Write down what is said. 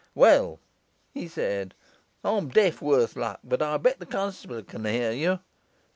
"Well," he said, "I'm deaf, worse luck, but I bet the constable can hear you."